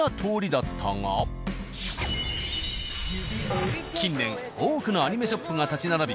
昔は近年多くのアニメショップが立ち並び